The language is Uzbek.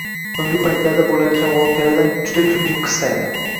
So‘ngi paytlarda bo‘layotgan voqealardan juda kulgim qistaydi.